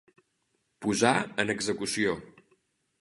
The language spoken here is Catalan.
Posar en execució.